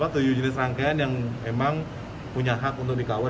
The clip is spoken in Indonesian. tujuh jenis rangkaian yang memang punya hak untuk dikawal